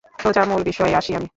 সোজা মূল বিষয়ে আসি আমি।